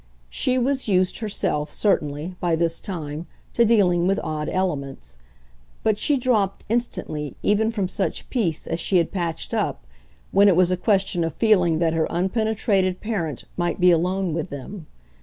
She was used, herself, certainly, by this time, to dealing with odd elements; but she dropped, instantly, even from such peace as she had patched up, when it was a question of feeling that her unpenetrated parent might be alone with them.